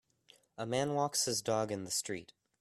a man walks his dog in the street.